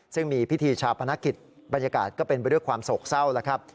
ซึ่งมีพิธีชาปนาคิดบรรยากาศก็เป็นไปด้วยความโศกเศร้า